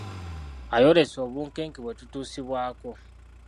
Ayolese obunkenke bwe tutuusibwako